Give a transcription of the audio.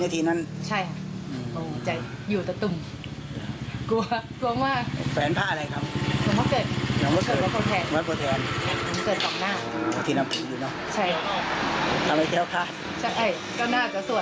ที่นำกินอยู่เนาะใช่ทำให้แก้วค่ะก็น่าจะส่วนนะครับ